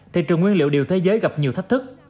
thị trường nguyên liệu điều thế giới gặp nhiều thách thức